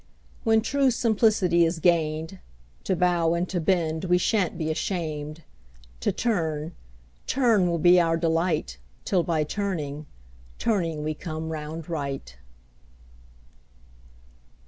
When true simplicity is gain'd, To bow and to bend we shan't be asham'd, To turn, turn will be our delight 'Till by turning, turning we come round right.